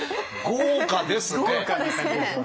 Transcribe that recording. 豪華ですね！